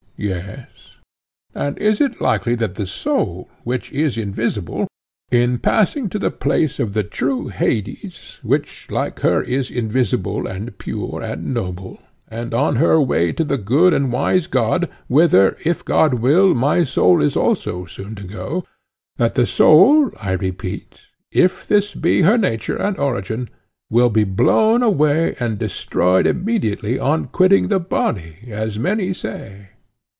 Yes. And is it likely that the soul, which is invisible, in passing to the place of the true Hades, which like her is invisible, and pure, and noble, and on her way to the good and wise God, whither, if God will, my soul is also soon to go,—that the soul, I repeat, if this be her nature and origin, will be blown away and destroyed immediately on quitting the body, as the many say?